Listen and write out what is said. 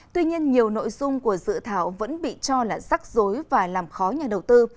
tuy nhiên nhiều nội dung của dự thảo vẫn bị cho là rắc rối và làm khó nhà đầu tư